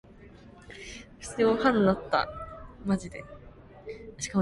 아따, 재미 안 좋다고 술 못 먹을 낸가.